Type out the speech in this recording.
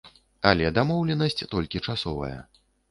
Але дамоўленасць толькі часовая.